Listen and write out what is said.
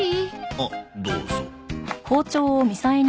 あどうぞ。